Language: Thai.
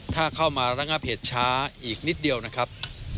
ถ้าเข้ามาระงับเหตุช้าอีกนิดเดียวนะครับ